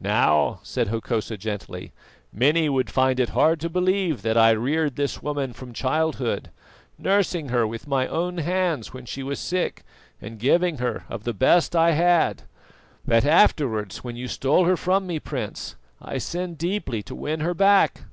"Now," said Hokosa gently; "many would find it hard to believe that I reared this woman from childhood, nursing her with my own hands when she was sick and giving her of the best I had; that afterwards, when you stole her from me, Prince, I sinned deeply to win her back.